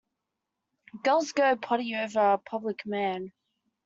Girls go potty over a public man.